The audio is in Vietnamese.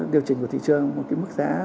điều chỉnh của thị trường một cái mức giá